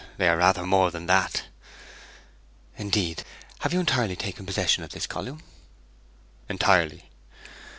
'They are rather more than that.' 'Indeed! Have you entirely taken possession of this column?' 'Entirely.'